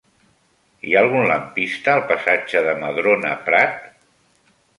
Hi ha algun lampista al passatge de Madrona Prat?